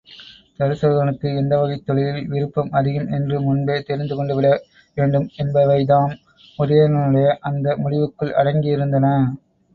தருசகனுக்கு எந்தவகைத் தொழிலில் விருப்பம் அதிகம் என்று முன்பே தெரிந்துகொண்டுவிட வேண்டும் என்பவைதாம் உதயணனுடைய அந்த முடிவுக்குள் அடங்கியிருந்தன.